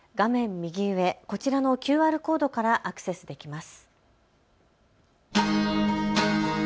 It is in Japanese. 右上、こちらのＱＲコードからアクセスできます。